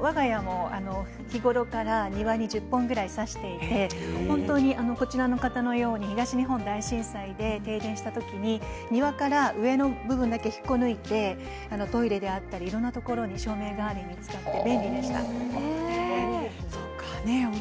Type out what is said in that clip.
わが家も日頃から庭に１０本ぐらいさしていてこちらの方のように東日本大震災で停電した時に庭から引っこ抜いてトイレだったりいろんなところに照明代わりに使いました。